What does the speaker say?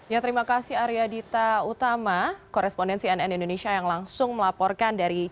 ya terima kasih arya dita utama korespondensi nn indonesia yang langsung melaporkan dari